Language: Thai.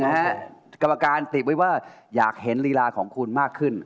กรรมการติดไว้ว่าอยากเห็นลีลาของคุณมากขึ้น